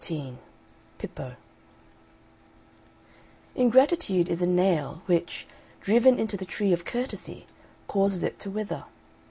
XIII PIPPO Ingratitude is a nail, which, driven into the tree of courtesy, causes it to wither.